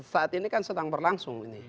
saat ini kan sedang berlangsung ini